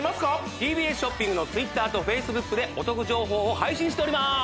ＴＢＳショッピングのＴｗｉｔｔｅｒとＦａｃｅｂｏｏｋでお得情報を配信しております